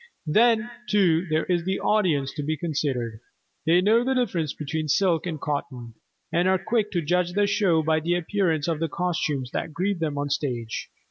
Then, too, there is the audience to be considered. They know the difference between silk and cotton, and are quick to judge the show by the appearance of the costumes that greet them on the stage.